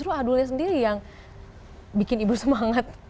atau justru adulnya sendiri yang bikin ibu semangat